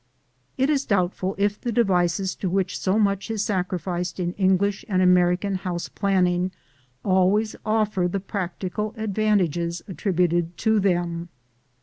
It is doubtful if the devices to which so much is sacrificed in English and American house planning always offer the practical advantages attributed to them.